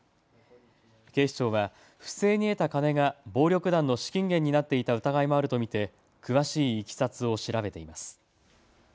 警視庁は不正に得た金が暴力団の資金源になっていた疑いもあると見て詳しいいきさつを調べています。